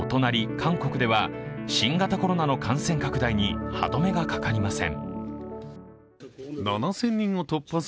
韓国では、新型コロナの感染拡大に歯止めがかかりません。